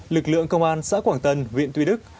lực lượng công an xã quảng tân huyện tuy đức